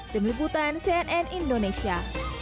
tim liputan cnn indonesia